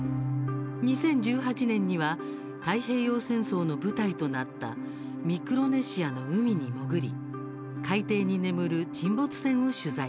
２０１８年には太平洋戦争の舞台となったミクロネシアの海に潜り海底に眠る沈没船を取材。